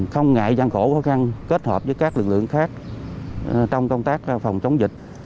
không ngại gian khổ khó khăn kết hợp với các lực lượng khác trong công tác phòng chống dịch